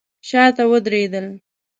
شاته ودرېدل.